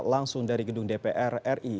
langsung dari gedung dpr ri